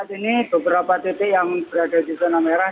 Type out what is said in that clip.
saat ini beberapa titik yang berada di zona merah